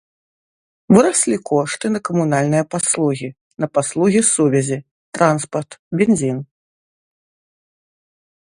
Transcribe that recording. Выраслі кошты на камунальныя паслугі, на паслугі сувязі, транспарт, бензін.